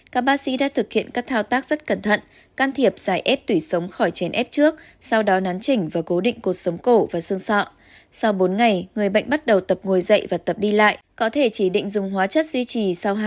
các bác sĩ đã thực hiện các thao tác rất cẩn thận can thiệp giải ép tủy sống khỏi chèn ép trước sau đó nắn chỉnh và cố định cột sống cổ và xương sọ sau bốn ngày người bệnh bắt đầu tập ngồi dậy và tập đi lại có thể chỉ định dùng hóa chất duy trì sau hai